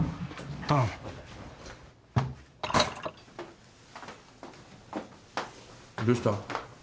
ああどうした？